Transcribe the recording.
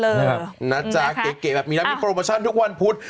เลิศเลิศนะจ๊ะเก๋แบบมีโปรโมชั่นทุกวันพุธ